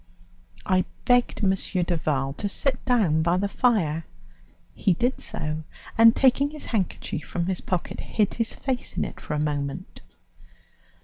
I begged M. Duval to sit down by the fire; he did so, and, taking his handkerchief from his pocket, hid his face in it for a moment.